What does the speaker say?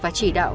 và chỉ đạo